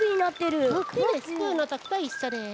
スプーンのときといっしょです。